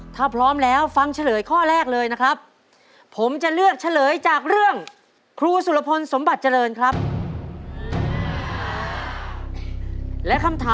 ตอบถูก๓ข้อรับ๑๐๐๐๐๐บาท